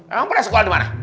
emang pernah sekolah dimana